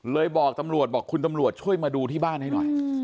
บอกตำรวจบอกคุณตำรวจช่วยมาดูที่บ้านให้หน่อย